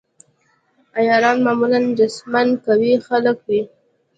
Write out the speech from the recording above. عیاران معمولاً جسماً قوي خلک وي.